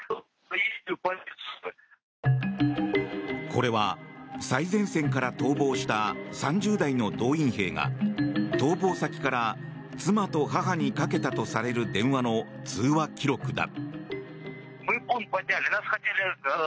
これは最前線から逃亡した３０代の動員兵が逃亡先から妻と母にかけたとされる電話の通話記録だ。